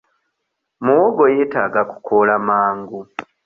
Muwogo yeetaaga kukoola mangu.